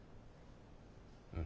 うん。